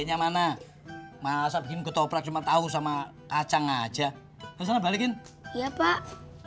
nya mana masa bikin ketoprak cuma tahu sama kacang aja kesana balikin ya pak